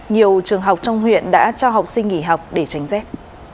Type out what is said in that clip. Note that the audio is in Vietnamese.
nhiều trường học trong huyện đã cho học sinh nghỉ học để tránh rét